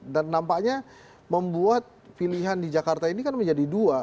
dan nampaknya membuat pilihan di jakarta ini kan menjadi dua